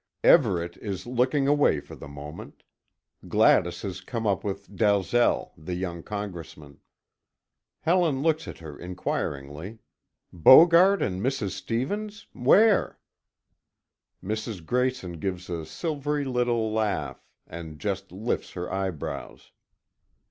Everet is looking away for the moment. Gladys has come up with Dalzel, the young congressman. Helen looks at her inquiringly: "Bogart and Mrs. Stevens? Where?" Mrs. Grayson gives a silvery little laugh, and just lifts her eyebrows.